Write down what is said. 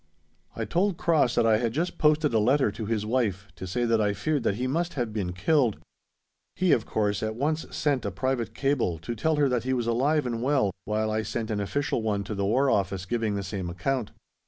I told Cross that I had just posted a letter to his wife to say that I feared that he must have been killed: he, of course, at once sent a private cable to tell her that he was alive and well, while I sent an official one to the War Office giving the same account.